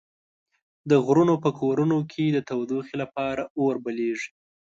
د غرونو په کورونو کې د تودوخې لپاره اور بليږي.